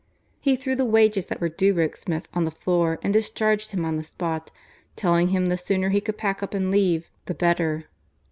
He threw the wages that were due Rokesmith on the floor and discharged him on the spot, telling him the sooner he could pack up and leave, the better.